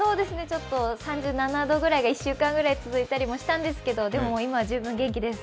ちょっと、３７度ぐらいが１週間ぐらい続いたりしたんですけどでも、今は十分元気です。